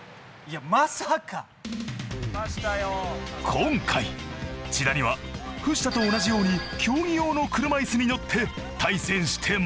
今回千田には藤田と同じように競技用の車いすに乗って対戦してもらう。